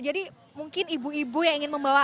jadi mungkin ibu ibu yang ingin membawa anak